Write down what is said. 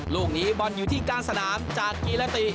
ลูกนี้บอลอยู่ที่กลางสนามจากกีลาติ